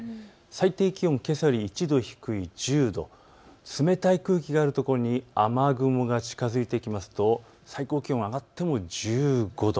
最低気温、けさより１度低い１０度、冷たい空気がある所に雨雲が近づいてきますと最高気温上がっても１５度。